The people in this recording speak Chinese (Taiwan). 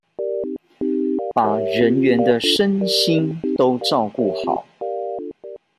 把人員的身心都照顧好